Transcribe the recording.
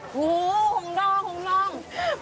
โอ้โหหงดองหงดอง